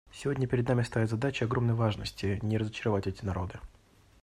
Сегодня перед нами стоит задача огромной важности: не разочаровать эти народы.